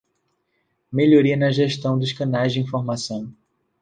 Melhoria na gestão dos canais de informação.